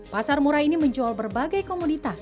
pasar murah ini menjual berbagai komoditas